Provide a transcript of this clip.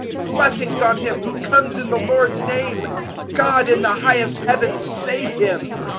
Blessings on Him who comes in the Lord's name! God in the highest Heavens save Him!"